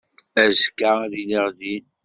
Azekka ad iliɣ din.